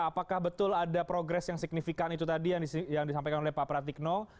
apakah betul ada progres yang signifikan itu tadi yang disampaikan oleh pak pratikno